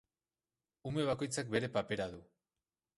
Ume bakoitzak bere papera du.